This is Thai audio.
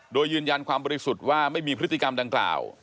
โดยยืนยันความบริสุทธิ์ว่าไม่มีพฤติกรรมดังกล่าว